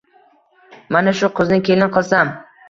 Mana shu qizni kelin qilsam!